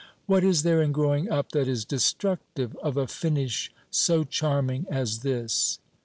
What is there in growing up that is destructive of a finish so charming as this?